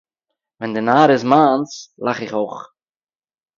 ווען די נאר איז מיינס לאך איך אויך...